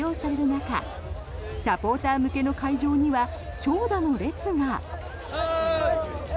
中サポーター向けの会場には長蛇の列が。